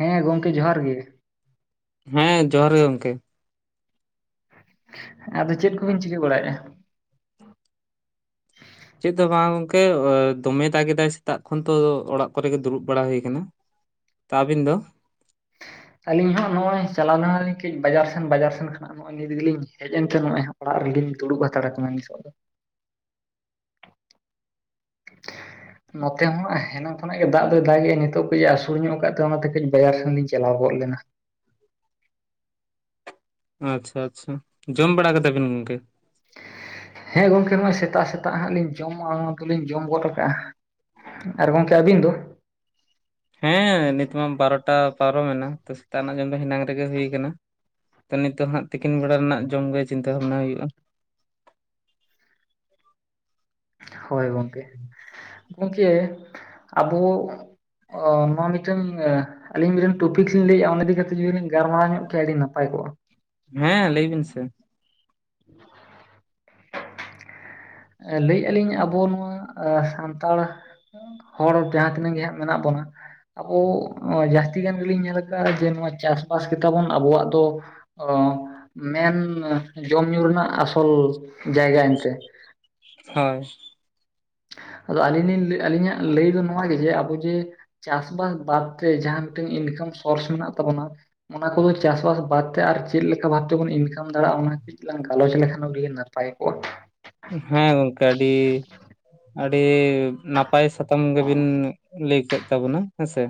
ᱦᱮᱸ ᱜᱚᱢᱠᱮ ᱡᱚᱦᱟᱨ ᱜᱮ ᱾ ᱦᱮᱸ, ᱡᱚᱦᱟᱨ ᱜᱮ ᱜᱚᱝᱠᱮ᱾ ᱟᱫᱚ ᱪᱮᱫ ᱠᱚᱵᱮᱱ ᱪᱤᱠᱟᱹ ᱵᱟᱲᱟᱭ ᱮᱼᱟ? ᱪᱮᱫ ᱫᱚ ᱵᱟᱝ ᱜᱚᱝᱠᱮ [unintelligible] ᱫᱚᱢᱮ ᱫᱟᱜᱽ ᱮᱫᱟᱭ ᱥᱮᱛᱟᱜ ᱠᱷᱚᱱ ᱛᱚ ᱚᱲᱟᱜ ᱠᱚᱨᱮ ᱜᱮ ᱫᱩᱲᱩᱵ ᱵᱟᱲᱟ ᱦᱩᱭ ᱠᱟᱱᱟ᱾ ᱛᱟ ᱟᱹᱵᱤᱱ ᱫᱚ? ᱟᱹᱞᱤᱧ ᱦᱚᱸ ᱱᱚᱼᱚᱭ ᱪᱟᱞᱟᱣ ᱱᱟ ᱞᱤᱧ ᱠᱟᱹᱡ ᱵᱟᱡᱟᱨ ᱥᱮᱱ ᱵᱟᱡᱟᱨ ᱥᱮᱱ ᱠᱷᱚᱱᱟᱜ ᱱᱚᱜᱼᱚᱭ ᱱᱤᱛ ᱜᱮᱞᱤᱧ ᱦᱮᱡ ᱮᱱᱛᱮ ᱱᱚᱜᱼᱚᱭ ᱦᱟᱯᱲᱟᱜ ᱨᱮᱞᱤᱧ ᱫᱩᱲᱩᱵ ᱦᱟᱛᱟᱲ ᱟᱠᱟᱱᱟ ᱱᱤᱥᱚᱜ ᱫᱚ᱾ [inaudible] ᱱᱚᱛᱮ ᱦᱚᱸ ᱮ ᱦᱮᱱᱟᱝ ᱠᱷᱚᱱᱟᱜ ᱜᱮ ᱫᱟᱜᱽ ᱫᱚᱭ ᱫᱟᱜᱮᱼᱮ ᱱᱤᱛᱚᱜ ᱠᱟᱹᱡ ᱮ ᱟᱹᱥᱩᱲ ᱧᱚᱜ ᱠᱟᱜ ᱛᱮ ᱚᱱᱟᱛᱮ ᱠᱟᱹᱡ ᱵᱟᱡᱟᱨ ᱥᱮᱱ ᱞᱤᱧ ᱪᱟᱞᱟᱣ ᱜᱚᱫ ᱞᱮᱱᱟ᱾ ᱟᱪᱪᱷᱟ, ᱟᱪᱪᱷᱟ᱾ ᱡᱚᱢ ᱵᱟᱲᱟ ᱠᱮᱫᱟᱵᱤᱱ ᱜᱚᱝᱠᱮ? ᱦᱮᱸ ᱜᱚᱝᱠᱮ ᱱᱚᱜᱼᱚᱭ ᱥᱮᱛᱟᱜ ᱥᱮᱛᱟᱜ ᱦᱟᱸᱜ ᱞᱤᱧ ᱡᱚᱢᱟ ᱚᱱᱟ ᱫᱚᱤᱧ ᱡᱚᱢ ᱜᱚᱫ ᱠᱟᱜᱼᱟ᱾ ᱟᱨ ᱜᱚᱝᱠᱮ ᱟᱹᱵᱤᱱ ᱫᱚ? ᱦᱮᱸ ᱱᱤᱛ ᱢᱟ ᱵᱟᱨᱚᱴᱟ ᱯᱟᱨᱚᱢᱮᱱᱟ ᱛᱚ ᱥᱮᱛᱟᱜ ᱮᱱᱟᱜ ᱡᱚᱢ ᱫᱚ ᱦᱮᱱᱟᱝ ᱨᱮᱜᱮ ᱦᱩᱭ ᱠᱟᱱᱟ᱾ ᱛᱚ ᱱᱤᱛᱚᱜ ᱦᱟᱸᱜ ᱛᱤᱠᱤᱱ ᱵᱮᱲᱟ ᱨᱮᱱᱟᱜ ᱡᱚᱢ ᱜᱮ ᱪᱤᱱᱛᱟᱹ ᱵᱷᱟᱵᱽᱱᱟ ᱦᱩᱭᱩᱜᱼᱟ᱾ ᱦᱳᱭ ᱜᱚᱢᱠᱮ, ᱜᱚᱝᱠᱮ ᱟᱫᱚ ᱚ ᱱᱚᱣᱟ ᱢᱤᱜᱴᱮᱱ ᱟ ᱟᱞᱤᱧ ᱢᱤᱜᱫᱮᱱ ᱴᱚᱯᱷᱤᱠᱥ ᱞᱤᱧ ᱞᱟᱹᱭᱮᱼᱟ ᱚᱱᱟ ᱤᱫᱤ ᱠᱟᱛᱮ ᱡᱩᱫᱤ ᱞᱤᱧ ᱜᱟᱨᱢᱟᱨᱟᱣ ᱧᱚᱜ ᱠᱮᱭᱟ ᱟᱹᱰᱤ ᱱᱟᱯᱟᱭ ᱠᱚᱜᱼᱟ᱾ ᱦᱮᱸ, ᱞᱟᱹᱭ ᱵᱤᱱ ᱥᱮ᱾ [inaudible] ᱞᱟᱹᱭ ᱮᱼᱟ ᱞᱤᱧ ᱟᱵᱚ ᱱᱚᱣᱟ ᱟ ᱥᱟᱱᱛᱟᱲ ᱦᱚᱲ ᱡᱟᱦᱟᱸ ᱛᱤᱱᱟᱹᱜ ᱜᱮ ᱦᱟᱸᱜ ᱢᱮᱱᱟᱜ ᱵᱚᱱᱟ᱾ ᱟᱵᱚ ᱱᱚᱣᱟ ᱡᱟᱹᱥᱛᱤ ᱜᱟᱱ ᱜᱮᱞᱤᱧ ᱧᱮᱞ ᱟᱠᱟᱜᱼᱟ ᱡᱮ ᱱᱚᱣᱟ ᱪᱟᱥᱼᱵᱟᱥ ᱜᱮᱛᱟᱵᱚᱱ ᱟᱵᱚᱣᱟᱜ ᱫᱚ ᱚ ᱢᱮᱱ ᱢᱮ ᱡᱚᱢ ᱧᱩ ᱨᱮᱱᱟᱜ ᱟᱥᱚᱞ ᱡᱟᱭᱜᱟ ᱮᱱᱛᱮ᱾ ᱦᱳᱭ᱾ ᱟᱫᱚ ᱟᱹᱞᱤᱧ ᱞᱤᱧ ᱞᱟᱹᱭ ᱟᱹᱞᱤᱧᱟᱜ ᱞᱟᱹᱭ ᱫᱚ ᱱᱚᱣᱟ ᱜᱮ ᱡᱮ ᱟᱵᱚ ᱡᱮ ᱪᱟᱥᱼᱵᱟᱥ ᱵᱟᱫᱛᱮ ᱡᱟᱦᱟᱸ ᱢᱤᱜᱴᱟᱝ ᱤᱱᱠᱟᱢ ᱥᱳᱨᱥ ᱢᱮᱱᱟᱜ ᱛᱟᱵᱚᱱᱟ᱾ ᱚᱱᱟ ᱠᱚᱫᱚ ᱪᱟᱥᱼᱵᱟᱥ ᱵᱟᱫᱛᱮ ᱟᱨ ᱪᱮᱜ ᱞᱮᱠᱟ ᱵᱷᱟᱵ ᱛᱮᱵᱚᱱ ᱤᱱᱠᱟᱢ ᱫᱟᱲᱮᱭᱟᱜᱼᱟ ᱚᱱᱟ ᱠᱟᱹᱡ [unintelligible] ᱞᱟᱝ ᱜᱟᱞᱚᱪ ᱞᱮᱠᱷᱟᱱ ᱟᱹᱰᱤ ᱜᱮ ᱱᱟᱯᱟᱭ ᱠᱚᱜᱼᱟ᱾ ᱦᱮᱸ ᱜᱚᱝᱠᱮ ᱟᱹᱰᱤ ᱰᱤ ᱱᱟᱯᱟᱭ ᱥᱟᱛᱟᱢ ᱜᱮᱵᱤᱱ ᱞᱟᱹᱭ ᱠᱮᱜ ᱛᱟᱵᱚᱱᱟ᱾ ᱦᱮᱸ ᱥᱮ,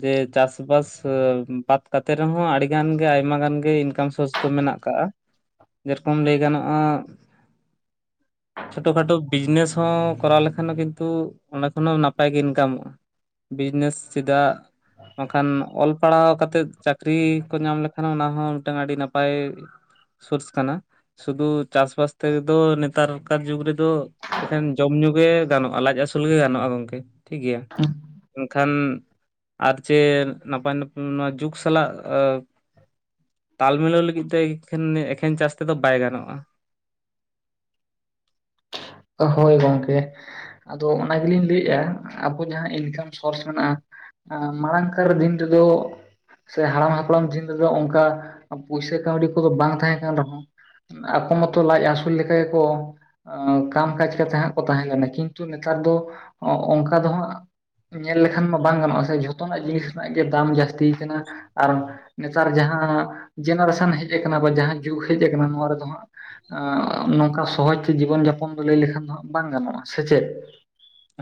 ᱡᱮ ᱪᱟᱥᱼᱵᱟᱥ ᱥᱮ ᱵᱟᱫ ᱠᱟᱛᱮ ᱨᱮᱦᱚᱸ ᱟᱹᱰᱤ ᱜᱟᱱ ᱜᱮ ᱟᱭᱢᱟ ᱜᱟᱱ ᱜᱮ ᱤᱱᱠᱟᱢ ᱥᱳᱨᱥ ᱫᱚ ᱢᱮᱱᱟᱜ ᱠᱟᱜᱼᱟ᱾ ᱡᱮᱨᱠᱚᱢ ᱞᱟᱹᱭ ᱜᱟᱱᱚᱜᱼᱟ ᱪᱷᱳᱴᱳ ᱠᱷᱟᱴᱳ ᱵᱤᱡᱽᱱᱮᱥ ᱦᱚᱸ ᱠᱚᱨᱟᱣ ᱞᱮᱠᱷᱟᱱ ᱫᱚ ᱠᱤᱱᱛᱩ ᱚᱱᱟ ᱠᱷᱚᱱᱟᱜ ᱦᱚᱸ ᱱᱟᱯᱟᱭ ᱜᱮ ᱤᱱᱠᱟᱢᱚᱜᱼᱟ᱾ ᱵᱤᱡᱽᱱᱮᱥ ᱪᱮᱫᱟᱜ ᱵᱟᱝᱠᱷᱟᱱ ᱚᱞ ᱯᱟᱲᱦᱟᱣ ᱠᱟᱛᱮᱫ ᱪᱟᱹᱠᱨᱤ ᱠᱚ ᱧᱟᱢ ᱞᱮᱠᱷᱟᱱ ᱚᱱᱟ ᱦᱚᱸ ᱢᱤᱜᱴᱟᱝ ᱟᱹᱰᱤ ᱱᱟᱯᱟᱭ ᱥᱳᱨᱥ ᱠᱟᱱᱟ᱾ ᱥᱩᱫᱩ ᱪᱟᱥᱼᱵᱟᱥ ᱛᱮᱫᱚ ᱱᱮᱛᱟᱨ ᱠᱟᱨ ᱡᱩᱜᱽ ᱨᱮᱫᱚ ᱮᱠᱷᱮᱱ ᱡᱚᱢ ᱧᱩ ᱜᱮ ᱜᱟᱱᱚᱜᱼᱟ ᱞᱟᱡ ᱟᱥᱩᱞ ᱜᱮ ᱜᱟᱱᱚᱜᱼᱟ ᱜᱚᱢᱠᱮ ᱴᱷᱤᱠ ᱜᱮᱭᱟ᱾ ᱠᱚᱜᱼᱟ ᱮᱱᱠᱷᱟᱱ ᱟᱨ ᱪᱮ ᱱᱟᱯᱟᱭ ᱱᱟᱯᱟᱭ ᱱᱚᱣᱟ ᱡᱩᱜᱽ ᱥᱟᱞᱟᱜ ᱮ ᱛᱟᱞ ᱢᱤᱞᱟᱹᱣ ᱞᱟᱹᱜᱤᱜ ᱛᱮ ᱮᱠᱷᱮᱱ ᱮᱠᱷᱮᱱ ᱪᱟᱥ ᱛᱮᱫᱚ ᱵᱟᱭ ᱜᱟᱱᱚᱜᱼᱟ᱾ ᱦᱳᱭ ᱜᱚᱝᱠᱮ ᱟᱫᱚ ᱚᱱᱟ ᱜᱮᱞᱤᱧ ᱞᱟᱹᱮᱼᱟ ᱟᱵᱚ ᱡᱟᱦᱟᱸ ᱤᱱᱠᱟᱢ ᱥᱳᱨᱥ ᱢᱮᱱᱟᱜᱼᱟ ᱮᱸ ᱢᱟᱲᱟᱝᱠᱟᱨ ᱫᱤᱱ ᱨᱮᱫᱚ ᱥᱮ ᱦᱟᱲᱟᱢ ᱦᱟᱯᱲᱟᱢ ᱫᱤᱱ ᱨᱮᱫᱚ ᱚᱱᱠᱟ ᱯᱩᱭᱥᱟ ᱠᱟᱹᱣᱰᱤ ᱠᱚᱫᱚ ᱵᱟᱝ ᱛᱟᱦᱮᱸ ᱠᱟᱱ ᱨᱮᱦᱚᱸ᱾ ᱟᱠᱚ ᱢᱚᱛᱚ ᱞᱟᱡ ᱟᱹᱥᱩᱞ ᱞᱮᱠᱟ ᱜᱮᱠᱚ ᱟᱸ ᱠᱟᱢ ᱠᱟᱡ ᱠᱟᱛᱮᱜ ᱦᱟᱸᱜ ᱠᱚ ᱛᱟᱦᱮᱸ ᱞᱮᱱᱟ ᱠᱤᱱᱛᱩ ᱱᱮᱛᱟᱨ ᱫᱚ ᱚᱱᱠᱟ ᱫᱚ ᱦᱟᱸᱜ ᱧᱮᱞ ᱞᱮᱠᱷᱟᱱ ᱢᱟ ᱵᱟᱝ ᱜᱟᱱᱚᱜ-ᱟ ᱥᱮ ᱡᱷᱚᱛᱚᱱᱟᱜ ᱡᱤᱱᱤᱥ ᱨᱮᱱᱟᱜ ᱜᱮ ᱫᱟᱢ ᱡᱟᱹᱥᱛᱤ ᱠᱟᱱᱟ᱾ ᱟᱨ ᱱᱮᱛᱟᱨ ᱡᱟᱦᱟᱸ ᱡᱮᱱᱟᱨᱮᱥᱚᱱ ᱦᱮᱡ ᱠᱟᱱᱟ ᱵᱟ ᱡᱟᱦᱟᱸ ᱡᱩᱜᱽ ᱦᱮᱡ ᱠᱟᱱᱟ ᱱᱚᱣᱟ ᱨᱮᱫᱚ ᱦᱟᱸᱜ, ᱱᱚᱝᱠᱟ ᱥᱚᱦᱚᱡ ᱛᱮ ᱡᱤᱵᱚᱱ ᱡᱟᱯᱚᱱ ᱫᱚ ᱞᱟᱹᱭ ᱞᱮᱠᱷᱟᱱ ᱫᱚ ᱦᱟᱸᱜ ᱵᱟᱝ ᱜᱟᱱᱚᱜ-ᱟ ᱥᱮ ᱪᱮᱫ᱾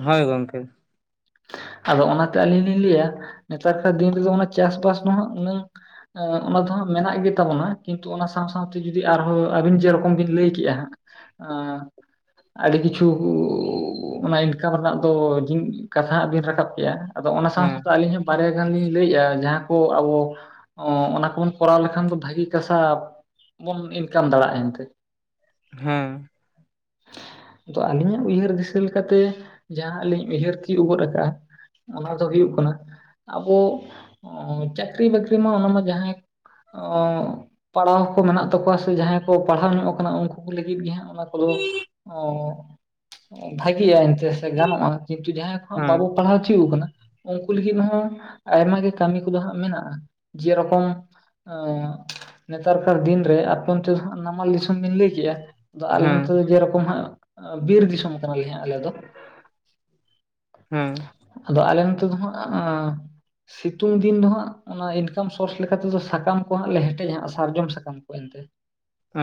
ᱦᱳᱭ ᱜᱚᱢᱠᱮ, ᱟᱫᱚ ᱚᱱᱟᱛᱮ ᱟᱹᱞᱤᱧ ᱞᱤᱧ ᱞᱟᱹᱭᱟ ᱱᱮᱛᱟᱨᱠᱟᱨ ᱫᱤᱱ ᱨᱮᱫᱚ ᱚᱱᱟ ᱪᱟᱥᱵᱟᱥ ᱫᱚ ᱦᱟᱸᱜ ᱩᱱᱟᱹᱝ ᱚᱱᱟ ᱫᱚ ᱦᱟᱸᱜ ᱢᱮᱱᱟᱜ ᱜᱮᱛᱟ ᱵᱚᱱᱟ ᱠᱤᱱᱛᱩ ᱚᱱᱟ ᱥᱟᱶ ᱥᱟᱶᱛᱮ ᱡᱩᱫᱤ ᱟᱨᱦᱚᱸ ᱟᱹᱵᱤᱱ ᱡᱮᱨᱚᱠᱚᱢ ᱵᱤᱱ ᱞᱟᱹᱭ ᱠᱮᱜ-ᱟ ᱦᱟᱸᱜ, ᱮᱸ ᱟᱹᱰᱤ ᱠᱤᱪᱷᱩ ᱚᱱᱟ ᱤᱱᱠᱟᱢ ᱨᱮᱱᱟᱜ ᱫᱚ ᱠᱟᱛᱷᱟ ᱦᱟᱸᱜ ᱵᱤᱱ ᱨᱟᱠᱟᱵ ᱠᱮᱜ-ᱟ ᱟᱫᱚ ᱚᱱᱟ ᱥᱟᱶ ᱦᱮᱸ ᱥᱟᱶᱛᱮ ᱟᱹᱞᱤᱧ ᱦᱚᱸ ᱵᱟᱨᱭᱟ ᱜᱟᱱ ᱞᱤᱧ ᱞᱟᱹᱭᱮᱫ-ᱟ ᱡᱟᱦᱟᱸ ᱠᱚ ᱟᱵᱚ ᱚ ᱚᱱᱟ ᱠᱚᱵᱚᱱ ᱠᱚᱨᱟᱣ ᱞᱮᱠᱷᱟᱱ ᱫᱚ ᱵᱷᱟᱹᱜᱤ [inaudible] ᱵᱚᱱ ᱤᱱᱠᱟᱢ ᱫᱟᱲᱮᱭᱟᱜ-ᱟ ᱮᱱᱛᱮ ᱦᱮᱸ, ᱟᱫᱚ ᱟᱹᱞᱤᱧᱟᱜ ᱩᱭᱦᱟᱹᱨ ᱫᱤᱥᱟᱹ ᱞᱮᱠᱟᱛᱮ ᱡᱟᱦᱟᱸ ᱟᱹᱞᱤᱧ ᱩᱭᱦᱟᱹᱨ ᱛᱤᱭᱩᱜ ᱜᱚᱫ ᱟᱠᱟᱫ-ᱟ ᱚᱱᱟ ᱫᱚ ᱦᱩᱭᱩᱜ ᱠᱟᱱᱟ ᱟᱵᱚ ᱚ ᱪᱟᱹᱠᱨᱤ ᱵᱟᱹᱠᱨᱤ ᱢᱟ ᱚᱱᱟ ᱢᱟ ᱡᱟᱦᱟᱸᱭ ᱯᱟᱲᱦᱟᱣ ᱠᱚ ᱢᱮᱱᱟᱜ ᱛᱟᱠᱚᱣᱟ ᱥᱮ ᱡᱟᱦᱟᱸᱭ ᱠᱚ ᱯᱟᱲᱦᱟᱣ ᱧᱚᱜ ᱟᱠᱟᱱᱟ ᱩᱱᱠᱩ ᱠᱚ ᱞᱟᱹᱜᱤᱫ ᱜᱮ ᱦᱟᱸᱜ ᱚᱱᱟ ᱠᱚᱫᱚ ᱵᱷᱟᱜᱮᱭᱟ ᱮᱱᱛᱮ ᱥᱮ ᱜᱟᱱᱚᱜ-ᱟ ᱠᱤᱱᱛᱩ ᱡᱟᱦᱟᱸᱭ ᱠᱚ ᱵᱟᱵᱚ ᱦᱮᱸ ᱯᱟᱲᱦᱟᱣ ᱦᱚᱪᱚ ᱠᱟᱱᱟ ᱩᱱᱠᱩ ᱞᱟᱹᱜᱤᱫ ᱦᱚᱸ ᱟᱭᱢᱟ ᱜᱮ ᱠᱟᱹᱢᱤ ᱠᱚᱫᱚ ᱦᱟᱸᱜ ᱢᱮᱱᱟᱜ-ᱟ᱾ ᱡᱮ ᱨᱚᱠᱚᱢ ᱱᱮᱛᱟᱨ ᱠᱟᱨ ᱫᱤᱱᱨᱮ ᱟᱯᱮ ᱚᱱᱛᱮ ᱫᱚ ᱱᱷᱟᱜ ᱱᱟᱢᱟᱞ ᱫᱤᱥᱚᱢ ᱵᱤᱱ ᱞᱟᱹᱭ ᱠᱮᱫᱮᱜ-ᱟ᱾ ᱟᱫᱚ ᱟᱞᱮ ᱱᱚᱛᱮ ᱫᱚ ᱦᱮᱸ ᱡᱮᱨᱚᱠᱚᱢ ᱦᱟᱸᱜ ᱵᱤᱨ ᱫᱤᱥᱚᱢ ᱠᱟᱱᱟᱞᱮ ᱦᱟᱸᱜ ᱟᱞᱮ ᱫᱚ᱾ ᱦᱮᱸ, ᱟᱫᱚ ᱟᱞᱮ ᱱᱚᱛᱮ ᱫᱚ ᱦᱟᱸᱜ- ᱥᱤᱛᱩᱝ ᱫᱤᱱ ᱫᱚ ᱦᱟᱸᱜ ᱚᱱᱟ ᱤᱱᱠᱟᱢ ᱥᱳᱨᱥ ᱞᱮᱠᱟ ᱛᱮᱫᱚ ᱥᱟᱠᱟᱢ ᱠᱚ ᱦᱟᱸᱜ ᱞᱮ ᱦᱮᱴᱮᱡᱟ ᱦᱟᱸᱜ ᱥᱟᱨᱡᱚᱢ ᱥᱟᱠᱟᱢ ᱠᱚ ᱮᱱᱛᱮ, [unintelligible]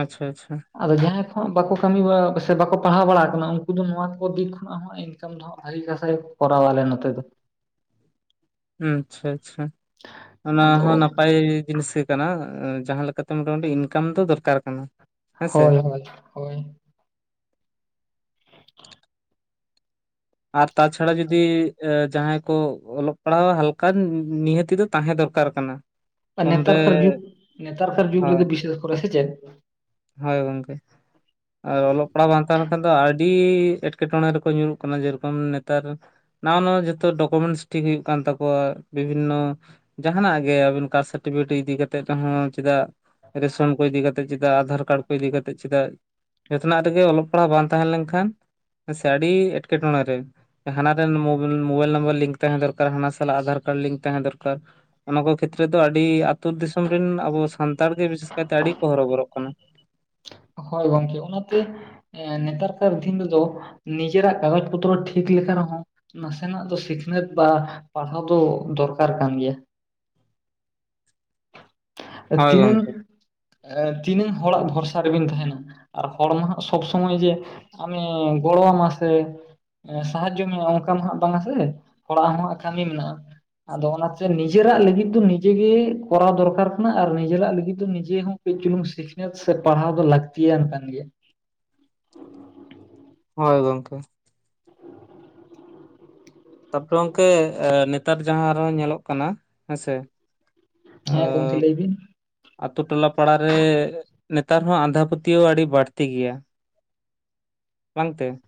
ᱟᱪᱪᱷᱟ ᱟᱪᱪᱷᱟ ᱾ ᱟᱫᱚ ᱡᱟᱦᱟᱸᱭ ᱠᱚ ᱦᱟᱸᱜ ᱵᱟᱠᱚ ᱠᱟᱹᱢᱤ ᱵᱟ ᱥᱮ ᱵᱟᱠᱚ ᱯᱟᱲᱦᱟᱣ ᱵᱟᱲᱟ ᱟᱠᱟᱱᱟ ᱩᱱᱠᱩ ᱫᱚ ᱱᱚᱣᱟ ᱠᱚ ᱫᱤᱠ ᱠᱷᱚᱱᱟᱜ ᱦᱚᱸ ᱤᱱᱠᱟᱢ ᱫᱚ ᱦᱟᱸᱜ ᱟᱹᱰᱤ ᱠᱟᱥᱟᱭ ᱠᱚ ᱠᱚᱨᱟᱣ ᱟᱞᱮ ᱱᱚᱛᱮ ᱫᱚ᱾ ᱟᱪᱪᱷᱟ ᱟᱪᱪᱷᱟ ᱚᱱᱟ ᱟᱫᱚ ᱦᱚᱸ ᱱᱟᱯᱟᱭ ᱡᱤᱱᱤᱥ ᱜᱮ᱾ ᱠᱟᱱᱟ ᱡᱟᱦᱟᱸ ᱞᱮᱠᱟᱛᱮ ᱢᱚᱴᱟᱢᱩᱴᱤ ᱤᱱᱠᱟᱢ ᱫᱚ ᱫᱚᱨᱠᱟᱨ ᱠᱟᱱᱟ ᱾ ᱦᱳᱭ ᱦᱳᱭ ᱦᱳᱭ ᱾ ᱟᱨ ᱛᱟᱪᱷᱟᱲᱟ ᱡᱩᱫᱤ ᱡᱟᱦᱟᱸᱭ ᱠᱚ ᱚᱞᱚᱜ ᱯᱟᱲᱦᱟᱣ ᱦᱟᱞᱠᱟ ᱱᱤᱦᱟᱹᱛᱤ ᱫᱚ ᱛᱟᱦᱮᱸ ᱫᱚᱨᱠᱟᱨ ᱠᱟᱱᱟ ᱾ ᱟᱨ ᱱᱮᱛᱟᱨ ᱠᱟᱨ ᱡᱩᱜᱽ ᱱᱮᱛᱟᱨ ᱠᱟᱨ ᱡᱩᱜᱽ ᱦᱳᱭ ᱨᱮᱫᱚ ᱵᱤᱥᱮᱥ ᱠᱚᱨᱮ ᱥᱮ ᱪᱮᱫ ᱾ ᱦᱳᱭ ᱜᱚᱝᱠᱮ? ᱟᱨ ᱚᱞᱚᱜ ᱯᱟᱲᱦᱟᱜ ᱵᱟᱝ ᱛᱟᱦᱮᱸᱱ ᱠᱷᱟᱱ ᱫᱚ ᱟᱹᱰᱤ ᱮᱸᱴᱠᱮᱴᱚᱬᱮ ᱨᱮᱠᱚ ᱧᱩᱨᱩᱜ ᱠᱟᱱᱟ ᱡᱮᱨᱚᱠᱚᱢ ᱱᱮᱛᱟᱨ ᱱᱟᱣᱟ ᱱᱟᱣᱟ ᱡᱚᱛᱚ ᱰᱚᱠᱚᱢᱮᱱᱴᱥ ᱴᱷᱤᱠ ᱦᱳᱭᱳᱜ ᱠᱟᱱ ᱛᱟᱠᱚᱣᱟ ᱵᱤᱵᱷᱤᱱᱱᱚ ᱡᱟᱦᱟᱱᱟᱜ ᱜᱮ ᱟᱹᱵᱤᱱ ᱠᱟᱥᱴ ᱥᱟᱨᱴᱤᱯᱷᱤᱠᱮᱴ ᱤᱫᱤ ᱠᱟᱛᱮᱫ ᱨᱮᱦᱚᱸ ᱪᱮᱫᱟᱜ ᱨᱮᱥᱚᱱ ᱠᱚ ᱤᱫᱤ ᱠᱟᱛᱮᱫ ᱪᱮᱫᱟᱜ ᱟᱫᱷᱟᱨ ᱠᱟᱨᱰ ᱠᱚ ᱤᱫᱤ ᱠᱟ ᱠᱟᱛᱮᱫ ᱪᱮᱫᱟᱜ ᱡᱚᱛᱚᱱᱟᱜ ᱨᱮᱜᱮ ᱚᱞᱚᱜ ᱯᱟᱲᱦᱟᱜ ᱵᱟᱝ ᱛᱟᱦᱮᱸ ᱞᱮᱱᱠᱷᱟᱱ ᱥᱮ ᱟᱹᱰᱤ ᱮᱸᱴᱠᱮᱴᱚᱬᱮ ᱨᱮ ᱦᱟᱱᱟ ᱨᱮᱱ ᱢᱳᱵᱟᱭᱤᱞ ᱱᱟᱢᱵᱟᱨ ᱞᱤᱝᱠ ᱛᱟᱦᱮᱸ ᱫᱚᱨᱠᱟᱨ ᱾ᱦᱟᱱᱟ ᱥᱟᱞᱟᱜ ᱟᱫᱷᱟᱨ ᱠᱟᱨᱰ ᱞᱤᱝᱠ ᱛᱟᱦᱮᱸ ᱫᱚᱨᱠᱟᱨ᱾ ᱚᱱᱟ ᱠᱚ ᱠᱷᱮᱛᱨᱮ ᱫᱚ ᱟᱹᱰᱤ ᱟᱹᱛᱩ ᱫᱤᱥᱚᱢ ᱨᱮᱱ ᱟᱵᱚ ᱥᱟᱱᱛᱟᱲ ᱜᱮ ᱵᱤᱥᱮᱥ ᱠᱟᱭᱛᱮ ᱟᱹᱰᱤ ᱠᱚ ᱦᱚᱨᱚᱵᱚᱨᱚᱜ ᱠᱟᱱᱟ ᱾ ᱦᱳᱭ ᱜᱚᱝᱠᱮ, ᱚᱱᱟᱛᱮ ᱮ ᱱᱮᱛᱟᱨ ᱠᱟᱨ ᱫᱤᱱ ᱨᱮᱫᱚ ᱱᱤᱡᱮᱨᱟᱜ ᱠᱟᱜᱚᱡ ᱯᱚᱛᱨᱚ ᱴᱷᱤᱠ ᱞᱮᱠᱟ ᱨᱮᱦᱚᱸ ᱱᱟᱥᱮᱱᱟᱜ ᱫᱚ ᱥᱤᱠᱷᱱᱟᱹᱛ ᱵᱟ ᱯᱟᱲᱦᱟᱣ ᱫᱚ ᱫᱚᱨᱠᱟᱨ ᱠᱟᱱ ᱜᱮᱭᱟ ᱾ ᱦᱳᱭ ᱛᱤᱱᱟᱹᱝ ᱜᱚᱝᱠᱮ ᱮᱸ ᱛᱤᱱᱟᱹᱝ ᱦᱚᱲᱟᱜ ᱵᱷᱚᱨᱥᱟ ᱵᱤᱱ ᱛᱟᱸᱦᱮᱱᱟ, ᱟᱨ ᱦᱚᱲ ᱦᱟᱸᱜ ᱥᱚᱵᱽ ᱥᱚᱢᱚᱭ ᱡᱮ ᱟᱢᱮ ᱜᱚᱲᱚᱣᱟᱢᱟ ᱥᱮ ᱮᱸ, ᱥᱟᱦᱟᱡᱡᱚ ᱢᱮᱭᱟ ᱚᱝᱠᱟ ᱫᱚ ᱦᱟᱸᱜ ᱵᱟᱝᱟ ᱥᱮ, ᱚᱲᱟᱜ ᱦᱚᱸ ᱦᱟᱸᱜ ᱟᱠᱷᱟ ᱜᱮ ᱢᱮᱱᱟᱜ-ᱟ᱾ ᱟᱫᱚ ᱚᱱᱟᱛᱮ ᱱᱤᱡᱮᱨᱟᱜ ᱞᱟᱹᱜᱤᱫ ᱫᱚ ᱱᱤᱡᱮ ᱜᱮ ᱠᱚᱨᱟᱣ ᱫᱚᱨᱠᱟᱨ ᱠᱟᱱᱟ ᱟᱨ ᱱᱤᱡᱮᱨᱟᱜ ᱞᱟᱹᱜᱤᱫ ᱫᱚ ᱱᱤᱡᱮ ᱦᱚᱸ ᱠᱟᱺᱡ ᱪᱩᱞᱩᱝ ᱥᱤᱠᱷᱱᱟᱹᱛ ᱥᱮ ᱯᱟᱲᱦᱟᱣ ᱫᱚ ᱞᱟᱹᱠᱛᱤᱭᱟᱱ ᱠᱟᱱ ᱜᱮᱭᱟ᱾ ᱦᱳᱭ ‌‌ᱜᱚᱝᱠᱮ᱾ ᱛᱟᱯᱚᱨ ᱜᱚᱝᱠᱮ ᱱᱮᱛᱟᱨ ᱡᱟᱦᱟᱸ ᱟᱨᱚ ᱧᱮᱞᱚᱜ ᱠᱟᱱᱟ ᱦᱮᱸᱥᱮ ᱦᱮᱸ ᱜᱚᱝᱠᱮ ᱞᱟᱹᱭ ᱵᱤᱱ᱾ ᱟᱛᱩ ᱴᱚᱞᱟ ᱯᱟᱲᱟ ᱨᱮ ᱱᱮᱛᱟᱨ ᱦᱚᱸ ᱟᱸᱫᱷᱟ ᱯᱟᱹᱛᱭᱟᱹᱣ ᱟᱹᱰᱤ ᱵᱟᱹᱲᱛᱤ ᱜᱮᱭᱟ᱾ ᱵᱟᱝᱛᱮ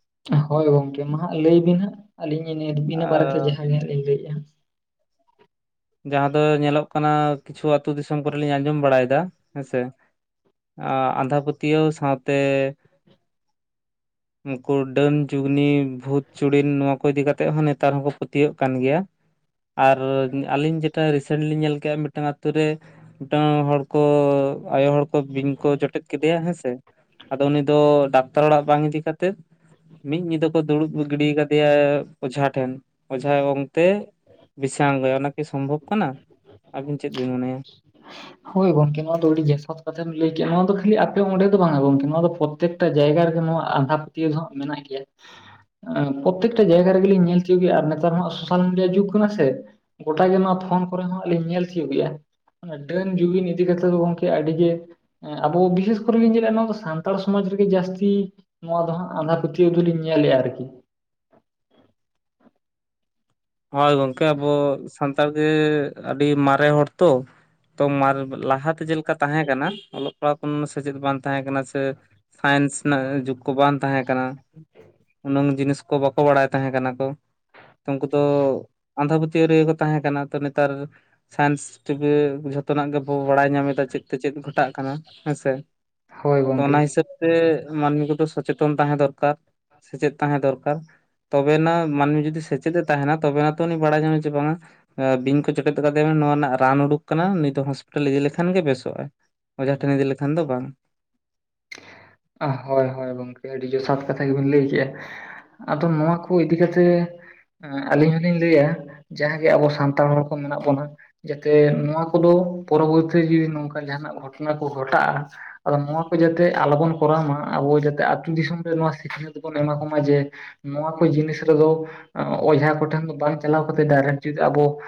ᱦᱳᱭ ᱜᱚᱝᱠᱮ ᱢᱟ ᱦᱟᱸᱜ ᱞᱟᱹᱭ ᱵᱤᱱ ᱦᱟᱸᱜ ᱟᱹᱞᱤᱧ ᱤᱱᱟᱹ ᱵᱟᱨᱮᱛᱮ ᱡᱟᱦᱟᱸ ᱜᱮ ᱦᱟᱸᱜ ᱞᱤᱧ ᱞᱟᱹᱭᱮᱫ-ᱟ᱾ ᱡᱟᱦᱟᱸ ᱫᱚ ᱧᱮᱞᱚᱜ ᱠᱟᱱᱟ ᱠᱤᱪᱷᱩ ᱟᱹᱛᱩ ᱫᱤᱥᱚᱢ ᱠᱚᱨᱮ ᱞᱤᱧ ᱟᱸᱡᱚᱢ ᱵᱟᱲᱟᱭᱮᱫᱟ, ᱦᱮᱸ ᱥᱮ? ᱟᱸᱻ ᱟᱸᱫᱷᱟ ᱯᱟᱹᱛᱭᱟᱹᱣ ᱥᱟᱸᱣᱛᱮ [inaudible] ᱱᱩᱠᱩ ᱰᱟᱹᱱ ᱡᱩᱜᱽᱱᱤ ᱵᱷᱩᱛ-ᱪᱩᱲᱤᱱ ᱱᱚᱣᱟ ᱠᱚ ᱤᱫᱤ ᱠᱟᱛᱮ ᱦᱚᱸ ᱱᱮᱛᱟᱨ ᱦᱚᱸᱠᱚ ᱯᱟᱹᱛᱭᱟᱹᱜ ᱠᱟᱱ ᱜᱮᱭᱟ᱾ ᱟᱨ ᱟᱹᱞᱤᱧ ᱡᱮᱴᱟ ᱨᱤᱥᱮᱱᱴ ᱞᱤᱧ ᱧᱮᱞ ᱠᱮᱫ ᱢᱤᱫᱴᱟᱝ ᱟᱛᱳ ᱨᱮ ᱢᱤᱫᱴᱟᱝ ᱦᱚᱲ ᱠᱚ ᱟᱭᱳ ᱦᱚᱲ ᱵᱤᱧ ᱠᱚ ᱡᱚᱴᱮᱫ ᱠᱮᱫᱮᱭᱟ ᱦᱮᱸ ᱥᱮ, ᱟᱫᱚ ᱩᱱᱤ ᱫᱚ ᱰᱟᱠᱛᱟᱨ ᱚᱲᱟᱜ ᱵᱟᱝ ᱤᱫᱤ ᱠᱟᱛᱮᱫ ᱢᱤᱫ ᱧᱤᱫᱟᱹ ᱠᱚ ᱫᱩᱲᱩᱵ ᱜᱤᱰᱤ ᱠᱟᱫᱮᱭᱟ ᱚᱡᱷᱟ ᱴᱷᱮᱱ᱾ᱚᱡᱷᱟᱭ ᱚᱝᱛᱮ ᱵᱤᱥ ᱮ ‌ᱟᱬᱜᱚᱭᱟ ᱚᱱᱟ ᱠᱤ ᱥᱚᱢᱵᱷᱚᱵ ᱠᱟᱱᱟ, ᱟᱹᱵᱤᱱ ᱪᱮᱫ ᱵᱤᱱ ᱢᱚᱱᱮᱭᱟ? ᱦᱳᱭ ᱜᱚᱝᱠᱮ ᱱᱚᱣᱟ ᱫᱚ ᱟᱹᱰᱤ ᱡᱚᱛᱷᱟᱛ ᱠᱟᱛᱷᱟᱢ ᱞᱟᱹᱭ ᱠᱮᱜ-ᱟ, ᱱᱚᱣᱟ ᱫᱚ ᱠᱷᱟᱹᱞᱤ ᱟᱯᱮ ᱚᱸᱰᱮ ᱫᱚ ᱵᱟᱝᱟ ᱜᱚᱝᱠᱮ ᱱᱚᱣᱟ ᱫᱚ ᱯᱚᱨ ᱯᱨᱚᱛᱮᱠᱴᱟ ᱡᱟᱭᱜᱟ ᱨᱮᱜᱮ ᱱᱚᱣᱟ ᱟᱸᱫᱷᱟ ᱯᱟᱹᱛᱭᱟᱹᱣ ᱫᱚ ᱦᱟᱸᱜ ᱢᱮᱱᱟᱜ ᱜᱮᱭᱟ᱾ ᱦᱮᱸ, ᱯᱨᱚᱛᱮᱠᱴᱟ ᱡᱟᱭᱜᱟ ᱨᱮᱜᱮᱞᱤᱧ ᱧᱮᱞ ᱠᱮᱜ-ᱟ, ᱡᱮ ᱟᱨ ᱱᱮᱛᱟᱨ ᱢᱟ ᱥᱳᱥᱟᱞ ᱢᱤᱰᱤᱭᱟ ᱡᱩᱜᱽ ᱠᱟᱱᱟ, ᱥᱮ ᱜᱚᱴᱟᱜ ᱜᱮ ᱱᱚᱣᱟ ᱯᱷᱳᱱ ᱠᱚᱨᱮ ᱦᱟᱸᱜ ᱟᱹᱞᱤᱧ ᱧᱮᱞ ᱪᱤᱭᱳᱜ ᱜᱮᱭᱟ᱾ ᱚᱱᱟ ᱰᱟᱹᱱ ᱡᱩᱜᱤᱱ ᱤᱫᱤ ᱠᱟᱛᱮᱫ ᱫᱚ ᱜᱚᱝᱠᱮ ᱟᱹᱰᱤ ᱜᱮ ᱮᱸᱻ, ᱟᱵᱚ ᱵᱤᱥᱮᱥ ᱠᱚᱨᱮ ᱞᱤᱧ ᱧᱮᱞᱮᱜ-ᱟ ᱱᱚᱣᱟ ᱫᱚ ᱥᱟᱱᱛᱟᱲ ᱥᱚᱢᱟᱡᱽ ᱨᱮᱜᱮ ᱡᱟᱹᱥᱛᱤ ᱱᱚᱣᱟ ᱫᱚ ᱦᱟᱸᱜ ᱟᱸᱫᱷᱟ ᱯᱟᱹᱛᱭᱟᱹᱣ ᱫᱚᱞᱤᱧ ᱧᱮᱞᱮᱜ-ᱟ ᱟᱨᱠᱤ᱾ ᱦᱳᱭ ᱜᱚᱝᱠᱮ ᱟᱵᱚ ᱥᱟᱱᱛᱟᱲ ᱜᱮ ᱟᱹᱰᱤ ᱢᱟᱨᱮ ᱦᱚᱲ ᱛᱚ᱾ ᱛᱚ ᱢᱟᱞ ᱞᱟᱦᱟᱛᱮ ᱪᱮᱫᱞᱮᱠᱟ ᱛᱟᱦᱮᱸ ᱠᱟᱱᱟ, ᱚᱞᱚᱜ ᱯᱟᱲᱦᱟᱣ ᱠᱷᱚᱱ ᱥᱮᱪᱮᱫ ᱵᱟᱝ ᱛᱟᱦᱮᱸ ᱠᱟᱱᱟ ᱥᱮ ᱥᱟᱭᱮᱱᱥ ᱨᱮᱱᱟᱜ ᱡᱩᱜᱽ ᱠᱚ ᱵᱟᱝ ᱛᱟᱦᱮᱸ ᱠᱟᱱᱟ᱾ ᱩᱱᱟᱹᱝ ᱡᱤᱱᱤᱥ ᱠᱚ ᱵᱟᱠᱚ ᱵᱟᱲᱟᱭ ᱛᱟᱦᱮᱸ ᱠᱟᱱᱟ ᱠᱚ, ᱩᱝᱠᱩ ᱫᱚ ᱟᱸᱫᱷᱟ ᱯᱟᱹᱛᱭᱟᱹᱣ ᱨᱮᱜᱮ ᱠᱚ ᱛᱟᱦᱮᱸ ᱠᱟᱱᱟ ᱛᱚ ᱱᱮᱛᱟᱨ ᱥᱟᱭᱮᱱᱥ ᱴᱤᱵᱷᱤ ᱡᱷᱚᱛᱚᱱᱟᱜ ᱜᱮᱵᱚ ᱵᱟᱲᱟᱭ ᱧᱟᱢ ᱮᱫᱟ ᱪᱮᱫ ᱛᱮ ᱪᱮᱫ ᱜᱷᱚᱴᱟᱜ ᱠᱟᱱᱟ ᱦᱮᱸ ᱥᱮ᱾ ᱦᱳᱭ ᱛᱚ ᱜᱚᱝᱠᱮ ᱚᱱᱟ ᱦᱤᱥᱟᱹᱵᱽ ᱛᱮ ᱢᱟᱹᱱᱢᱤ ᱠᱚᱫᱚ ᱥᱚᱪᱮᱛᱚᱱ ᱛᱟᱦᱮᱸ ᱫᱚᱨᱠᱟᱨ᱾ ᱥᱮᱪᱮᱫ ᱛᱟᱦᱮᱸ ᱫᱚᱨᱠᱟᱨ, ᱛᱚᱵᱮᱱᱟᱜ ᱢᱟᱹᱱᱢᱤ ᱡᱩᱫᱤ ᱥᱮᱪᱮᱫ ᱮ ᱛᱟᱸᱦᱮᱱᱟ, ᱛᱚᱵᱮᱱᱟ ᱛᱚ ᱩᱱᱤ ᱵᱟᱲᱟᱭ ᱧᱟᱢᱟ ᱡᱮ ᱵᱟᱝᱟ ᱵᱤᱧ ᱠᱚ ᱡᱚᱴᱮᱫ ᱠᱟᱫᱮᱭᱟ ᱱᱚᱣᱟ ᱨᱮᱱᱟᱜ ᱨᱟᱱ ᱩᱰᱩᱠ ᱠᱟᱱᱟ, ᱱᱩᱭ ᱫᱚ ᱦᱚᱸᱥᱯᱤᱴᱟᱞ ᱤᱫᱤ ᱞᱮᱠᱷᱟᱱ ᱜᱮ ᱵᱮᱥᱚᱜ-ᱟ᱾ ᱚᱡᱷᱟ ᱴᱷᱮᱱ ᱤᱫᱤ ᱞᱮᱠᱷᱟᱱ ᱫᱚ ᱵᱟᱝ᱾ ᱦᱳᱭ ᱦᱳᱭ ᱜᱚᱝᱠᱮ, ᱟᱹᱰᱤ ᱡᱚᱥᱷᱟᱛ ᱠᱟᱛᱷᱟ ᱜᱮᱵᱤᱱ ᱞᱟᱹᱭ ᱠᱮᱜ-ᱟ᱾ ᱟᱫᱚ ᱱᱚᱣᱟ ᱠᱚ ᱤᱫᱤ ᱠᱟᱛᱮᱜ ᱟᱹᱞᱤᱧ ᱦᱚᱞᱤᱧ ᱞᱟᱹᱭᱟ᱾ ᱡᱟᱦᱟᱸᱜᱮ ᱟᱵᱚ ᱥᱟᱱᱛᱟᱲ ᱦᱚᱲ ᱠᱚ ᱢᱮᱱᱟᱜ ᱵᱚᱱᱟ᱾ ᱡᱟᱛᱮ ᱱᱚᱣᱟ ᱠᱚᱫᱚ ᱯᱚᱨᱚᱵᱚᱨᱛᱤ ᱡᱩᱫᱤ ᱱᱚᱝᱠᱟ ᱡᱟᱦᱟᱱᱟᱜ ᱜᱷᱚᱴᱚᱱᱟ ᱠᱚ ᱜᱷᱚᱴᱟᱜ-ᱟ ᱟᱫᱚ ᱱᱚᱣᱟ ᱠᱚ ᱡᱟᱛᱮ ᱟᱞᱚᱵᱚᱱ ᱠᱚᱨᱟᱣ ᱢᱟ, ᱟᱵᱚ ᱡᱟᱛᱮ ᱟᱹᱛᱩ ᱫᱤᱥᱚᱢ ᱨᱮ ᱱᱚᱣᱟ ᱥᱤᱠᱷᱱᱟᱹᱛ ᱵᱚᱱ ᱮᱢᱟ ᱠᱚ ᱢᱟ ᱡᱮ, ᱱᱚᱣᱟ ᱠᱚ ᱡᱤᱱᱤᱥ ᱨᱮᱫᱚ ᱚᱡᱷᱟ ᱠᱚᱴᱷᱮᱱ ᱫᱚ ᱵᱟᱝ ᱪᱟᱞᱟᱣ ᱠᱟᱛᱮᱫ ᱰᱟᱭᱨᱮᱠᱴ ᱡᱩᱫᱤ ᱟᱵᱚ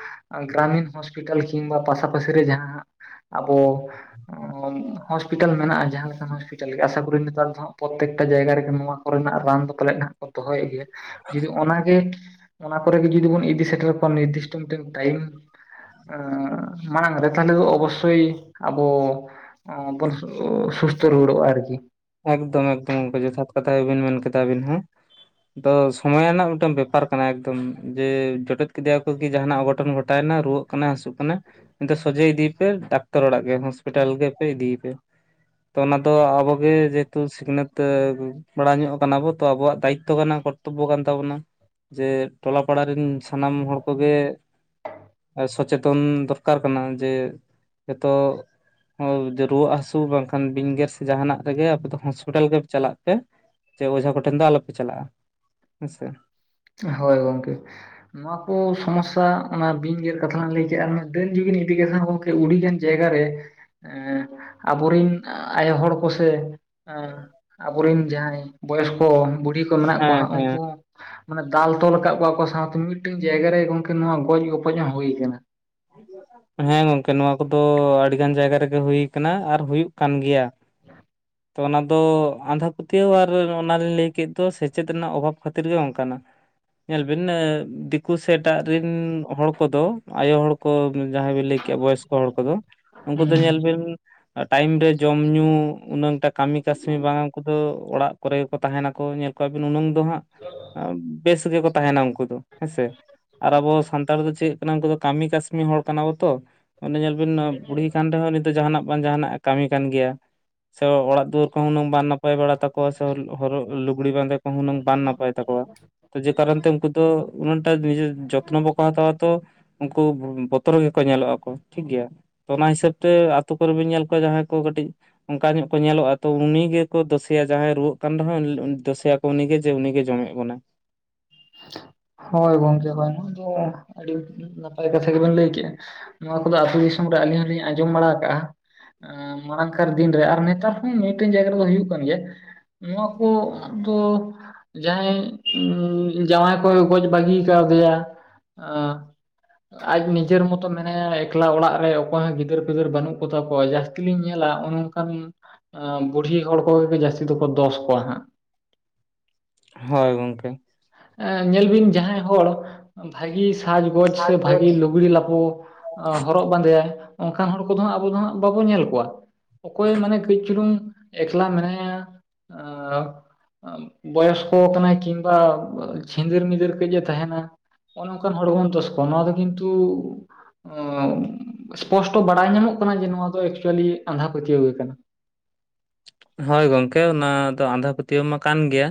ᱜᱨᱟᱢᱤᱱ ᱦᱚᱸᱥᱯᱤᱴᱟᱞ ᱠᱤᱢᱵᱟ ᱯᱟᱥᱟᱯᱟᱥᱤ ᱨᱮ ᱡᱟᱦᱟᱸ ᱦᱟᱸᱜ ᱟᱵᱚ ᱦᱚᱥᱯᱤᱴᱟᱞ ᱢᱮᱱᱟᱜᱼᱟ ᱡᱟᱸᱦᱟ ᱞᱮᱠᱟᱱ ᱦᱚᱥᱯᱤᱴᱟᱞ ᱜᱮ ᱟᱥᱟ ᱠᱚᱨᱤ ᱱᱮᱛᱟᱨ ᱫᱚ ᱦᱟᱜ ᱯᱨᱚᱛᱛᱮᱠ ᱴᱟ ᱡᱟᱭᱜᱟ ᱨᱮᱜᱮ ᱱᱚᱣᱟ ᱠᱚᱨᱮᱱᱟᱜ ᱨᱟᱱ ᱫᱚ ᱯᱟᱞᱮᱫ ᱦᱟᱜ ᱠᱚ ᱫᱚᱦᱚᱭᱮᱫ ᱜᱮᱭᱟ ᱡᱩᱫᱤ ᱚᱱᱟᱜᱮ ᱚᱱᱟ ᱠᱚᱨᱮ ᱜᱮ ᱡᱩᱫᱤ ᱵᱚᱱ ᱤᱫᱤ ᱥᱮᱴᱮᱨ ᱠᱚᱣᱟ ᱱᱤᱨᱫᱤᱥᱴᱚ ᱢᱤᱫᱴᱮᱱ ᱴᱟᱭᱤᱢ ᱢᱟᱲᱟᱝ ᱨᱮ ᱛᱟᱞᱮ ᱫᱚ ᱚᱵᱚᱥᱥᱳᱭ ᱟᱵᱚ ᱥᱩᱥᱛᱚ ᱨᱩᱣᱟᱹᱲ ᱚᱜ ᱟᱭ ᱟᱨᱠᱤ ᱮᱠᱫᱚᱢ ᱮᱠᱫᱚᱢ ᱚᱱᱠᱟ ᱡᱚᱛᱷᱟᱛ ᱠᱟᱛᱷᱟ ᱜᱮᱵᱤᱱ ᱢᱮᱱᱼᱟ ᱠᱟᱫᱟ. ᱟᱵᱤᱱ ᱦᱚᱸ᱾ ᱟᱫᱚ ᱥᱚᱢᱚᱭ ᱨᱮᱱᱟᱜ ᱢᱤᱫᱴᱮᱱ ᱵᱮᱯᱟᱨ ᱠᱟᱱᱟ ᱮᱠᱫᱚᱢ ᱡᱮ ᱡᱚᱴᱮᱫ ᱠᱮᱫᱮᱭᱟ ᱠᱚ ᱠᱤ ᱡᱟᱸᱦᱟ ᱱᱟᱜ ᱚᱻᱜᱷᱚᱴᱚᱱ ᱜᱷᱚᱴᱟᱣᱼᱱᱟ ᱨᱩᱣᱟᱹᱜ ᱠᱟᱱᱟ ᱦᱟᱹᱥᱩᱜ ᱠᱟᱱᱟ ᱱᱤᱛ ᱥᱚᱡᱷᱮ ᱤᱫᱤᱭᱮ ᱯᱮ ᱰᱟᱠᱛᱟᱨ ᱚᱲᱟᱜ ᱜᱮ, ᱦᱚᱥᱯᱤᱴᱟᱞ ᱜᱮᱯᱮ ᱤᱫᱤᱭᱮ ᱯᱮ᱾ ᱛᱚ ᱚᱱᱟ ᱫᱚ ᱟᱵᱚᱜᱮ ᱡᱮᱦᱚᱛᱩ ᱥᱤᱠᱷᱱᱟᱹᱛ ᱠᱚᱲᱟ ᱧᱚᱜ ᱠᱟᱱᱟ ᱵᱚ ᱛᱚ ᱟᱵᱚᱣᱟᱜ ᱫᱟᱭᱤᱠ ᱛᱚ ᱠᱟᱱᱟ᱾ ᱠᱚᱨᱛᱚᱵᱽ ᱠᱟᱱ ᱛᱟᱵᱚᱱᱟ᱾ ᱡᱮ ᱴᱚᱞᱟ ᱯᱟᱲᱟ ᱨᱮᱱ ᱥᱟᱱᱟᱢ ᱦᱚᱲ ᱠᱚᱜᱮ ᱥᱚᱪᱮᱛᱚᱱ ᱫᱚᱨᱠᱟᱨ ᱠᱟᱱᱟ ᱡᱮ ᱦᱤᱛᱚᱜ ᱨᱩᱣᱟᱹᱜ ᱦᱟᱹᱥᱩ ᱵᱟᱝᱠᱷᱟᱱ ᱵᱤᱧᱜᱮᱨ ᱥᱮ ᱡᱟᱦᱱᱟᱜ ᱨᱮᱜᱮ ᱟᱯᱮ ᱫᱚ ᱦᱚᱥᱯᱤᱴᱟᱞ ᱜᱮ ᱪᱟᱞᱟᱜ ᱯᱮ ᱥᱮ ᱚᱡᱷᱟ ᱠᱚᱴᱷᱮᱱ ᱫᱚ ᱟᱞᱚᱯᱮ ᱪᱟᱞᱟᱜᱼᱟ, ᱦᱮᱸᱥᱮ᱾ ᱦᱳᱭ ᱜᱚᱝᱠᱮ ᱱᱚᱣᱟ ᱠᱚ ᱥᱚᱢᱚᱥᱥᱟ ᱚᱱᱟ ᱵᱤᱧ ᱜᱮᱨ ᱠᱟᱛᱷᱟ ᱞᱟᱝ ᱞᱟᱹᱭ ᱠᱮᱜᱼᱟ ᱟᱨ ᱰᱟᱹᱱ ᱡᱩᱜᱤᱱ ᱤᱫᱤ ᱞᱮᱱᱠᱷᱟᱱ ᱦᱚᱸ ᱩᱲᱤᱜᱟᱱ ᱡᱟᱭᱜᱟ ᱨᱮ ᱮᱸ ᱟᱵᱚᱨᱤᱱ ᱟᱭᱳ ᱦᱚᱲ ᱠᱚᱥᱮ ᱮ ᱟᱵᱚ ᱨᱮᱱ ᱡᱟᱸᱦᱟᱭ ᱵᱚᱭᱚᱥᱠᱚ ᱵᱩᱲᱦᱤ ᱠᱚ ᱢᱮᱱᱟᱜ ᱠᱚᱣᱟ ᱦᱮᱸ ᱦᱟᱸ ᱦᱮᱸ ᱩᱱᱠᱩ ᱢᱟᱱᱮ ᱫᱟᱞ, ᱛᱚᱞ ᱟᱠᱟᱫ ᱠᱚᱣᱟ ᱠᱚ ᱥᱟᱶᱛᱮ ᱢᱤᱫᱴᱮᱱ ᱡᱟᱭᱜᱟ ᱨᱮ ᱜᱚᱝᱠᱮ ᱱᱚᱣᱟ ᱜᱚᱡ ᱜᱚᱯᱚᱡ ᱦᱚᱸ ᱦᱩᱭ ᱟᱠᱟᱱᱟ᱾ ᱦᱮᱸ ᱜᱚᱝᱠᱮ ᱱᱚᱣᱟ ᱠᱚᱫᱚ ᱟᱹᱰᱤ ᱜᱟᱱ ᱡᱟᱭᱜᱟ ᱨᱮᱜᱮ ᱦᱩᱭ ᱟᱠᱟᱱᱟ ᱟᱨ ᱦᱩᱭᱩᱜ ᱠᱟᱱ ᱜᱮᱭᱟ᱾ ᱦᱮᱸ ᱛᱚ ᱚᱱᱟ ᱫᱚ ᱟᱸᱫᱷᱟ ᱯᱟᱹᱛᱭᱟᱹᱣ ᱟᱨ ᱚᱱᱮ ᱞᱤᱧ ᱞᱟᱹᱭ ᱠᱮᱫ ᱫᱚ ᱥᱮᱪᱮᱫ ᱨᱮᱱᱟᱜ ᱚᱵᱷᱟᱯ ᱠᱷᱟᱹᱛᱤᱨ ᱜᱮ ᱚᱱᱠᱟᱱᱟ᱾ ᱧᱮᱞᱵᱤᱱ ᱫᱤᱠᱩ ᱥᱮ ᱮᱴᱟᱜ ᱨᱮᱱ ᱦᱚᱲ ᱠᱚᱫᱚ ᱟᱭᱳ ᱦᱚᱲ ᱠᱚ ᱡᱟᱦᱟᱸᱭ ᱵᱤᱱ ᱞᱟᱹᱭ ᱠᱮᱜᱼᱟ ᱵᱚᱭᱚᱥᱠᱚ ᱦᱚᱲ ᱠᱚᱫᱚ ᱩᱱᱠᱩ ᱦᱩᱸ ᱫᱚ ᱧᱮᱞ ᱵᱤᱱ ᱴᱟᱭᱤᱢ ᱨᱮ ᱡᱚᱢ ᱧᱩ ᱩᱱᱟᱹᱝ ᱠᱟᱹᱢᱤ ᱠᱟᱹᱥᱱᱤ ᱵᱟᱝ ᱩᱱᱠᱩ ᱫᱚ ᱚᱲᱟᱜ ᱠᱚᱨᱮ ᱜᱮ ᱠᱚ ᱛᱟᱸᱦᱮᱱᱟ ᱠᱚ ᱧᱮᱞ ᱠᱚᱣᱟᱵᱤᱱ ᱩᱱᱟᱹᱝ ᱫᱚ ᱦᱟᱸᱜ ᱵᱮᱥ ᱜᱮᱠᱚ ᱛᱟᱸᱦᱮᱱᱟ ᱩᱱᱠᱩ ᱫᱚ᱾ ᱦᱮᱸᱥᱮ ᱟᱨ ᱟᱵᱚ ᱥᱟᱱᱛᱟᱲ ᱫᱚ ᱪᱮᱫ ᱠᱟᱱᱟ ᱩᱱᱠᱩ ᱫᱚ ᱠᱟᱹᱢᱤ ᱠᱟᱹᱥᱱᱤ ᱦᱚᱲ ᱠᱟᱱᱟ ᱵᱚ ᱛᱚ᱾ ᱚᱱᱮ ᱧᱮᱞ ᱵᱤᱱ ᱵᱩᱲᱦᱤ ᱠᱟᱱ ᱨᱮᱸᱦᱚᱭ ᱱᱤᱛ ᱫᱚ ᱡᱟᱦᱟᱱᱟᱜ ᱵᱟᱝ ᱡᱟᱦᱟᱱᱟᱜ ᱠᱟᱹᱢᱤ ᱠᱟᱱ ᱜᱮᱭᱟ᱾ ᱥᱮ ᱚᱲᱟᱜ ᱫᱩᱟᱹᱨ ᱠᱚᱸᱦᱚ ᱩᱱᱟᱹᱝ ᱵᱟᱝ ᱱᱟᱯᱟᱭ ᱵᱟᱲᱟ ᱛᱟᱠᱚᱣᱟ᱾ ᱠᱚ ᱦᱚᱨᱚᱜ ᱞᱩᱜᱽᱲᱤ ᱵᱟᱸᱫᱮ ᱠᱚ ᱦᱚᱸ ᱞᱩᱜᱽᱲᱤ ᱱᱟᱯᱟᱭ ᱛᱟᱠᱚᱣᱟ᱾ ᱠᱟᱨᱚᱱ ᱛᱮ ᱩᱱᱠᱩ ᱫᱚ ᱩᱱᱟᱹᱝᱴᱟ ᱱᱤᱡᱮᱨ ᱡᱚᱛᱱᱚ ᱵᱟᱠᱚ ᱦᱟᱛᱟᱣᱟ ᱛᱚ ᱩᱱᱠᱩ ᱡᱚᱛᱚ ᱨᱮᱜᱮᱠᱚ ᱧᱮᱞᱚᱜᱼᱟᱠᱚ ᱴᱷᱤᱠ ᱜᱮᱭᱟ ᱛᱚ ᱚᱱᱟ ᱦᱤᱥᱟᱹᱵ ᱛᱮ ᱟᱛᱳ ᱠᱚᱨᱮ. ᱵᱤᱱ ᱧᱮᱞ ᱧᱟᱢ ᱠᱚᱣᱟ ᱡᱟᱦᱟᱸᱭ ᱠᱚ ᱠᱟᱹᱴᱤᱡ ᱚᱱᱠᱟ ᱧᱚᱜ ᱠᱚ ᱧᱮᱞᱚᱜᱼᱟ ᱠᱚ ᱛᱚ ᱩᱱᱤ ᱜᱮ ᱠᱚ ᱫᱳᱥᱮᱭᱟ ᱡᱟᱸᱦᱟᱭ ᱨᱩᱣᱟᱹᱜ ᱠᱟᱱ ᱨᱮᱸᱦᱚᱭ ᱫᱳᱥᱮᱭᱟᱠᱚ ᱡᱮ ᱩᱱᱤᱜᱮ ᱡᱮ ᱩᱱᱤᱜᱮ ᱡᱚᱢᱮᱫ ᱵᱚᱱᱟᱭ ᱦᱳᱭ ᱜᱚᱢᱠᱮ ᱦᱚᱭ ᱱᱚᱣᱟ ᱫᱚ ᱟᱹᱰᱤ ᱱᱟᱯᱟᱭ ᱠᱟᱛᱷᱟ ᱜᱮᱵᱮᱱ ᱞᱟᱹᱭ ᱠᱮᱜᱼᱟ᱾ ᱱᱚᱣᱟ ᱠᱚᱫᱚ ᱟᱹᱛᱩ ᱫᱤᱥᱚᱢ ᱨᱮ ᱟᱹᱞᱤᱧ ᱦᱚᱸᱞᱤᱧ ᱟᱸᱡᱚᱢ ᱵᱟᱲᱟ ᱠᱟᱜᱼᱟ᱾ ᱢᱟᱲᱟᱝᱠᱟᱨ ᱫᱤᱱ ᱨᱮ ᱟᱨ ᱱᱮᱛᱟᱨ ᱦᱚᱸ ᱢᱤᱫᱴᱮᱱ ᱡᱟᱭᱜᱟ ᱨᱮᱫᱚ ᱦᱩᱭᱩᱜ ᱠᱟᱱ ᱜᱮᱭᱟ᱾ ᱱᱚᱣᱟ ᱠᱚ ᱫᱚ ᱡᱟᱸᱦᱟᱭ ᱡᱟᱶᱟᱭ ᱠᱚᱭ ᱜᱚᱡ ᱵᱟᱹᱜᱤ ᱠᱟᱣᱫᱮᱭᱟ ᱟᱡ ᱱᱤᱡᱮᱨ ᱢᱚᱛᱚ ᱢᱮᱱᱟᱭᱟ ᱮᱠᱞᱟ ᱚᱲᱟᱜ ᱨᱮ ᱚᱠᱚᱭ ᱦᱚᱸ ᱜᱤᱫᱟᱹᱨ ᱯᱤᱫᱟᱹᱨ ᱵᱟᱹᱱᱩᱜ ᱠᱚᱛᱟ ᱠᱚᱣᱟ ᱡᱟᱹᱥᱛᱤ ᱛᱤ ᱜᱮᱢ ᱧᱮᱞᱟ ᱚᱱᱮ ᱚᱱᱠᱟᱱ ᱵᱩᱲᱦᱤ ᱦᱚᱲ ᱠᱚᱜᱮ ᱡᱚ ᱡᱟᱹᱥᱛᱤ ᱫᱚᱠᱚ ᱫᱚᱥ ᱠᱚᱣᱟ ᱦᱟᱸᱜ ᱦᱳᱭ ᱜᱚᱢᱠᱮ ᱮ ᱧᱮᱞ ᱵᱤᱱ ᱡᱟᱸᱦᱟᱭ ᱦᱚᱲ ᱵᱷᱟᱜᱤ ᱥᱟᱡᱽᱜᱚᱡᱽ ᱥᱮ ᱥᱟᱡᱽ ᱜᱚᱡ ᱞᱩᱜᱽᱲᱤ ᱞᱟᱯᱩ ᱦᱚᱨᱚᱜ ᱵᱟᱸᱫᱮᱭᱟᱭ, ᱚᱝᱠᱟᱱ ᱦᱚᱲ ᱠᱚᱫᱚ ᱦᱟᱸᱜ ᱟᱵᱚ ᱫᱚ ᱦᱟᱸᱜ ᱵᱟᱵᱚᱱ ᱧᱮᱞ ᱠᱚᱣᱟ᱾ ᱚᱠᱚᱭ ᱢᱟᱱᱮ ᱠᱟᱹᱡ ᱪᱩᱞᱩᱝ ᱮᱠᱞᱟ ᱢᱮᱱᱟᱭᱟ, ᱵᱚᱭᱚᱥᱠᱚ ᱠᱟᱱᱟᱭ ᱠᱤᱱᱵᱟ ᱪᱷᱤᱸᱫᱟᱹᱨ-ᱢᱤᱫᱟᱹᱨ ᱠᱟᱹᱡ ᱮ ᱛᱟᱦᱮᱸᱱᱟ, ᱚᱱᱚ ᱚᱱᱠᱟᱱ ᱦᱚᱲ ᱵᱚᱱ ᱫᱚᱥ ᱠᱚᱣᱟ ᱱᱚᱣᱟ ᱫᱚ ᱠᱤᱱᱛᱩ ᱥᱯᱚᱥᱴᱚ ᱵᱟᱲᱟᱭ ᱧᱟᱢᱚᱜ ᱠᱟᱱᱟ ᱡᱮ ᱱᱚᱣᱟ ᱫᱚ ᱮᱠᱪᱩᱭᱮᱞᱤ ᱟᱸᱫᱷᱟ ᱯᱟᱹᱛᱭᱟᱹᱣ ᱜᱮ ᱠᱟᱱᱟ᱾ ᱦᱳᱭ ᱜᱚᱝᱠᱮ ᱚᱱᱟ ᱫᱚ ᱟᱸᱫᱷᱟ ᱯᱟᱹᱛᱭᱟᱹᱣ ᱢᱟ ᱠᱟᱱ ᱜᱮᱭᱟ,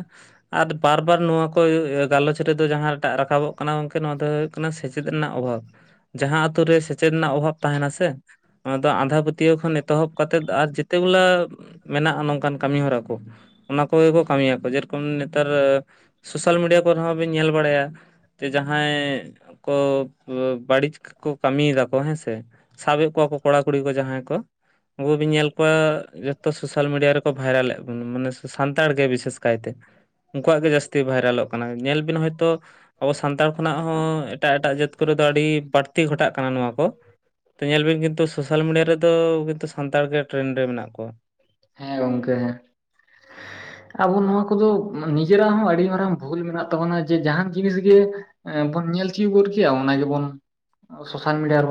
ᱟᱨ ᱵᱟᱨ ᱵᱟᱨ ᱱᱚᱣᱟ ᱠᱚ ᱜᱟᱞᱚᱪ ᱨᱮᱫᱚ ᱡᱟᱦᱟᱸᱴᱟᱜ ᱨᱟᱠᱟᱵᱚᱜ ᱠᱟᱱᱟ ᱜᱚᱝᱠᱮ ᱱᱚᱣᱟ ᱫᱚ ᱠᱟᱱᱟ ᱥᱮᱪᱮᱫ ᱨᱮᱱᱟᱜ ᱚᱵᱷᱟᱵᱽ, ᱡᱟᱦᱟᱸ ᱟᱛᱳ ᱨᱮ ᱥᱮᱪᱮᱫ ᱨᱮᱱᱟᱜ ᱚᱵᱷᱟᱵᱽ ᱛᱟᱦᱮᱸᱱᱟ ᱥᱮ ᱚᱱᱟ ᱫᱚ ᱟᱸᱫᱷᱟ ᱯᱟᱹᱛᱭᱟᱹᱣ ᱠᱷᱚᱱ ᱮᱛᱚᱦᱚᱵ ᱠᱟᱛᱮᱫ ᱟᱨ ᱡᱮᱛᱮ ᱜᱩᱞᱟ ᱢᱮᱱᱟᱜ-ᱟ ᱱᱚᱝᱠᱟᱱ ᱠᱟᱢᱤ ᱦᱚᱨᱟ ᱠᱚ, ᱚᱱᱟ ᱠᱚ ᱜᱮᱠᱚ ᱠᱟᱢᱤᱭᱟ ᱠᱚ ᱡᱮᱨᱚᱠᱚᱢ ᱱᱮᱛᱟᱨ ᱥᱳᱥᱟᱞ ᱢᱤᱰᱤᱭᱟ ᱠᱚᱨᱮ ᱦᱚᱸ ᱵᱤᱱ ᱧᱮᱞ ᱵᱟᱲᱟᱭᱟ, ᱛᱮ ᱡᱟᱦᱟᱸᱭ ᱠᱚ ᱵᱟᱹᱲᱤᱡ ᱠᱚ ᱠᱟᱢᱤᱭᱮᱫᱟ ᱠᱚ ᱦᱮᱸ ᱥᱮ, ᱥᱟᱵᱮᱜ ᱠᱚᱣᱟ ᱠᱚ ᱠᱚᱲᱟ ᱠᱩᱲᱤ ᱠᱚ ᱡᱟᱦᱟᱸᱭ ᱠᱚ, ᱩᱝᱠᱩ ᱵᱤᱱ ᱧᱮᱞ ᱠᱚᱣᱟ ᱡᱮ ᱛᱚ ᱥᱳᱥᱟᱞ ᱢᱤᱰᱤᱭᱟ ᱨᱮᱠᱚ ᱵᱷᱟᱭᱨᱟᱞ ᱮᱜ [inaudible] ᱢᱟᱱᱮ ᱥᱟᱱᱛᱟᱲ ᱜᱮ ᱵᱤᱥᱮᱥ ᱠᱟᱭᱛᱮ᱾ ᱩᱝᱠᱩᱣᱟᱜ ᱜᱮ ᱡᱟᱹᱥᱛᱤ ᱵᱷᱟᱭᱨᱟᱞᱚᱜ ᱠᱟᱱᱟ ᱧᱮᱞ ᱵᱤᱱ ᱦᱚᱭᱛᱳ, ᱟᱵᱚ ᱥᱟᱱᱛᱟᱲ ᱠᱷᱚᱱᱟᱜ ᱦᱚᱸ ᱮᱴᱟᱜ ᱮᱴᱟᱜ ᱡᱟᱹᱛ ᱠᱚᱨᱮ ᱫᱚ ᱟᱹᱰᱤ ᱵᱟᱹᱲᱛᱤ ᱜᱷᱚᱴᱟᱜ ᱠᱟᱱᱟ ᱱᱚᱣᱟ ᱠᱚ, ᱛᱚ ᱧᱮᱞ ᱵᱤᱱ ᱠᱤᱱᱛᱩ ᱥᱳᱥᱟᱞ ᱢᱤᱰᱤᱭᱟ ᱨᱮᱫᱚ ᱠᱤᱱᱛᱩ ᱥᱟᱱᱛᱟᱲ ᱜᱮ ᱴᱨᱮᱱᱰ ᱨᱮ ᱢᱮᱱᱟᱜ ᱠᱚᱣᱟ᱾ ᱦᱮᱸ ᱜᱚᱝᱠᱮ᱾ ᱟᱵᱚ ᱱᱚᱣᱟ ᱠᱚᱫᱚ ᱱᱤᱡᱮᱨᱟᱜ ᱦᱚᱸ ᱟᱹᱰᱤ ᱢᱟᱨᱟᱝ ᱵᱷᱩᱞ ᱢᱮᱱᱟᱜ ᱛᱟᱵᱚᱱᱟ ᱡᱮ ᱡᱟᱦᱟᱸᱱ ᱡᱤᱱᱤᱥ ᱜᱮ ᱮᱸ ᱵᱚᱱ ᱧᱮᱞ ᱛᱤᱭᱩᱜ ᱜᱚᱫ ᱠᱮᱭᱟ, ᱚᱱᱟ ᱜᱮᱵᱚᱱ ᱥᱳᱥᱟᱞ ᱢᱤᱰᱤᱭᱟ ᱨᱮᱵᱚᱱ